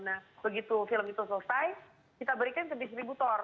nah begitu film itu selesai kita berikan ke distributor